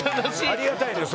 ありがたいです